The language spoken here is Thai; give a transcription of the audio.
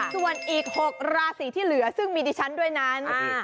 ส่วนอีก๖ราศีที่เหลือซึ่งมีดิฉันด้วยนั้น